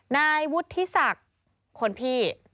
นายวุฒิศักดิ์คนพี่